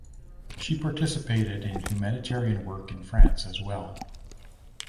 She participated in humanitarian work in France as well.